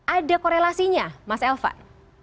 ada korelasinya mas elvan